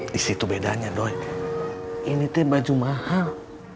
disitu bedanya doi ini teh baju mahal